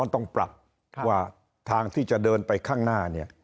ต้องปรับว่าทางที่เดินไปนะ